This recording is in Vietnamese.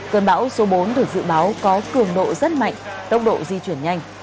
cơn bão số bốn được dự báo có cường độ rất mạnh tốc độ di chuyển nhanh